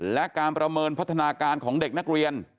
และการประเมินพัฒนาการของเด็กนักเรียน